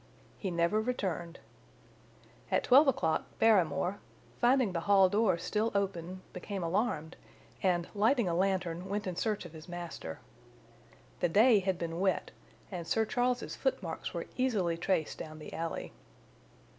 He never returned. At twelve o'clock Barrymore, finding the hall door still open, became alarmed, and, lighting a lantern, went in search of his master. The day had been wet, and Sir Charles's footmarks were easily traced down the alley.